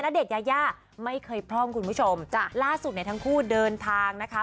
เดชยายาไม่เคยพร่องคุณผู้ชมจ้ะล่าสุดเนี่ยทั้งคู่เดินทางนะคะ